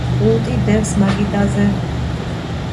პულტი დევს მაგიდაზე